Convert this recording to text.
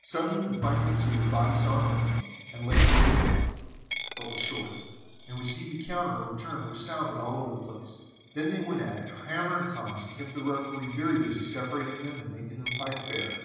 Suddenly the financier thought he saw an opening, and let go his left, but was short, and received a counter in return which sounded all over the place; then they went at it hammer and tongs and kept the Referee very busy separating them, and making them fight fair.